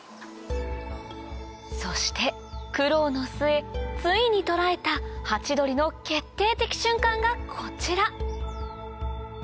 そして苦労の末ついに捉えたハチドリの決定的瞬間がこちら